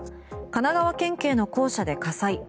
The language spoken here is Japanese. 神奈川県警の公舎で火災。